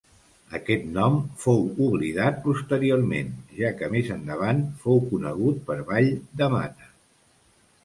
Aquest nom fou oblidat posteriorment, ja que més endavant fou conegut per Vall de Mata.